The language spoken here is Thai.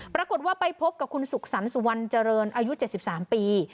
ปรากฏว่าไปพบกับคุณสุขสรรค์สุวรรณเจริญอายุ๗๓ปี